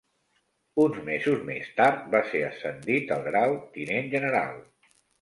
Uns mesos més tard va ser ascendit al grau Tinent general.